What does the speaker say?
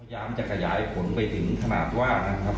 พยายามจะกระยายผลไปถึงขนาดว่า